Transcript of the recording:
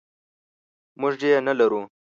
موږ یې نلرو.